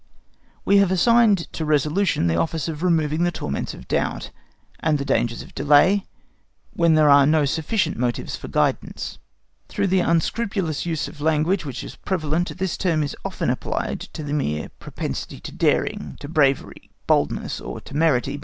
We have assigned to resolution the office of removing the torments of doubt, and the dangers of delay, when there are no sufficient motives for guidance. Through the unscrupulous use of language which is prevalent, this term is often applied to the mere propensity to daring, to bravery, boldness, or temerity.